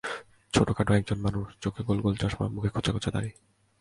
ছোটখাটো একজন মানুষ, চোখে গোল গোল চশমা, মুখে খোঁচ খোঁচা দাড়ি।